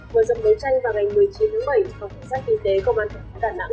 mở rộng đấu tranh vào ngày một mươi chín tháng bảy phòng cảnh sát kỳ tế công an thổng thống đà nẵng